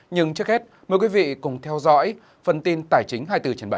nhưng trước hết mời quý vị cùng theo dõi phần tin tài chính hai mươi bốn trên bảy